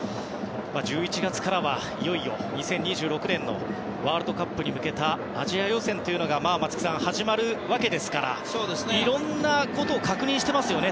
１１月からはいよいよ２０２６年のワールドカップに向けたアジア予選というのが松木さん、始まるわけですからとにかくいろんなことを確認していますよね